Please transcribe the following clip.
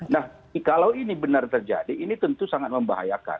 nah kalau ini benar terjadi ini tentu sangat membahayakan